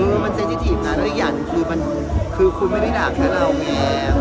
เออมันเศรษฐีอีกนานอีกอย่างนึงคือมันคือคุณไม่ได้ดักแค่เราไง